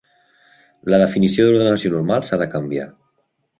La definició d'ordenació normal s'ha de canviar.